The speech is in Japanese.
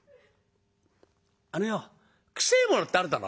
あのよ臭えものってあるだろ？